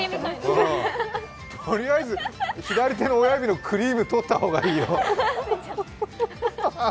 とりあえず、左手の親指のクリーム、取った方がいいよ。